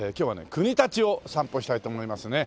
国立を散歩したいと思いますね。